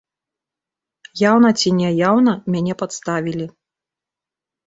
Яўна ці няяўна мяне падставілі.